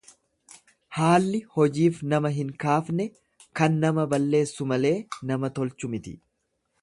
Haalli hojiif nama hin kaafne kan nama balleessu malee nama tolchu miti.